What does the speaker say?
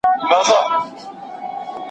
هیوادونه د اټومي انرژۍ په برخه کي قوانین لري.